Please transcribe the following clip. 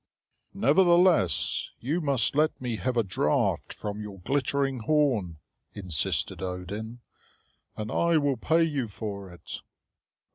"Nevertheless, you must let me have a draught from your glittering horn," insisted Odin, "and I will pay you for it."